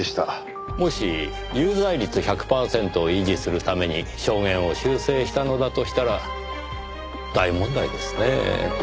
もし有罪率１００パーセントを維持するために証言を修正したのだとしたら大問題ですねぇ。